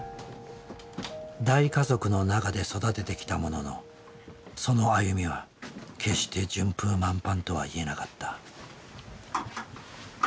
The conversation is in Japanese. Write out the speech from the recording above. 大家族の中で育ててきたもののその歩みは決して順風満帆とは言えなかった。